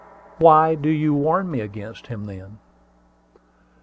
"Why do you warn me against him, then?"